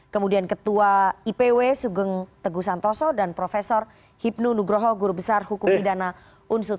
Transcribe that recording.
kemudian ketua ipw sugeng teguh santoso dan prof hipnu nugroho guru besar hukum pidana unsut